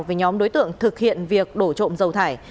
với nhóm đối tượng thực hiện việc đổ trộm dầu thải